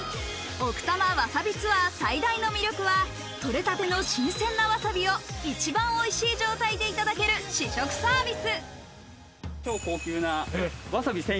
奥多摩わさびツアー最大の魅力は取れたての新鮮なわさびを一番おいしい状態でいただける試食サービス。